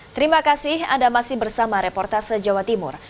terima kasih anda masih bersama reportase jawa timur